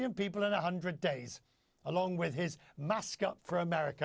sama dengan perancangan untuk memakai maskapu untuk amerika